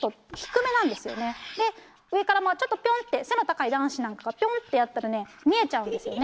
で上からまあちょっとぴょんって背の高い男子なんかがぴょんってやったらね見えちゃうんですよね。